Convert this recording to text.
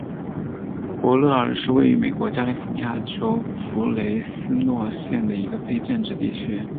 伯勒尔是位于美国加利福尼亚州弗雷斯诺县的一个非建制地区。